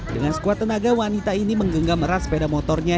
dengan sekuat tenaga wanita ini menggenggam ras sepeda motornya